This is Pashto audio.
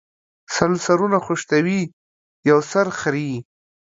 سل سرونه خشتوي ، يو سر خريي